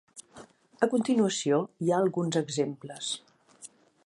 A continuació hi ha alguns exemples.